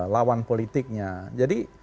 lawan politiknya jadi